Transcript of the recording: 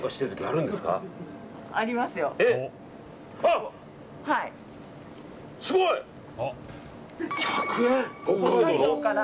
あ、すごい！１００円！